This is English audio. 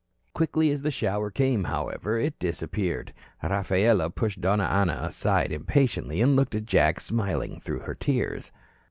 Quickly as the shower came, however, it disappeared. Rafaela pushed Donna Ana aside impatiently and looked at Jack, smiling through her tears.